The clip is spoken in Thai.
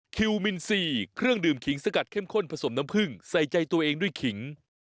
คิวมินซีเครื่องดื่มขิงสกัดเข้มข้นผสมน้ำผึ้งใส่ใจตัวเองด้วยขิง